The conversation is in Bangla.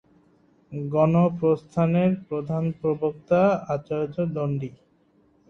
গুণপ্রস্থানের প্রধান প্রবক্তা আচার্য দন্ডী।